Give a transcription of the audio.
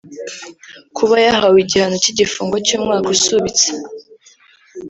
Kuba yahawe igihano cy’igifungo cy’umwaka usubitse